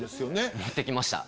持って来ました。